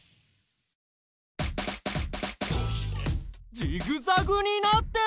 ジグザグになってる！？